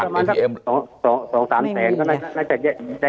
๒๓แสนก็น่าจะ